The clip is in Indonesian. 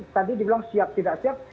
tadi dibilang siap tidak siap